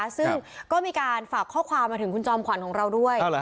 ซึ่งก็มีการฝากข้อความมาถึงคุณจอมขวัญของเราด้วย